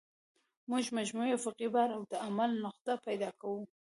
موږ مجموعي افقي بار او د عمل نقطه پیدا کوو